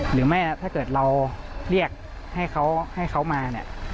หรือไม่ถ้าเกิดเราเรียกให้เขามา